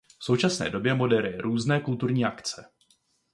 V současné době moderuje různé kulturní akce.